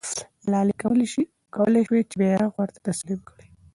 ملالۍ کولای سوای چې بیرغ ورته تسلیم کړي.